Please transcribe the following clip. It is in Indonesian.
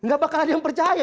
gak bakal ada yang percaya